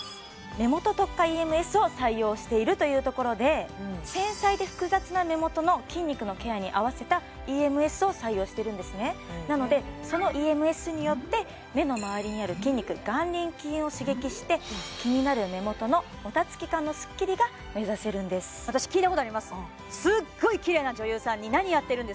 目元特化ＥＭＳを採用しているというところで繊細で複雑な目元の筋肉のケアに合わせたＥＭＳを採用してるんですねなのでそのＥＭＳによって目の周りにある筋肉眼輪筋を刺激して気になる目元のもたつき感のスッキリが目指せるんです私聞いたことありますえっ！